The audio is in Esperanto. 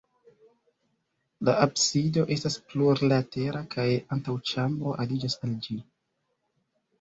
La absido estas plurlatera kaj antaŭĉambro aliĝas al ĝi.